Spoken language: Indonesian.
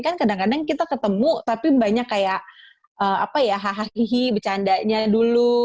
kan kadang kadang kita ketemu tapi banyak kayak apa ya haha hihi becandanya dulu